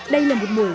đây là một mùa sáng